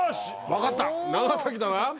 分かった長崎だな。